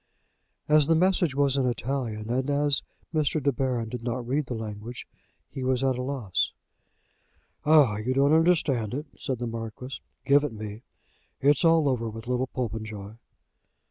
As the message was in Italian, and as Mr. De Baron did not read the language, he was at a loss. "Ah! you don't understand it," said the Marquis. "Give it me. It's all over with little Popenjoy."